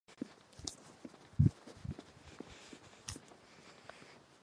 Rocky je světovým šampiónem těžké váhy a vyhrává jeden zápas za druhým.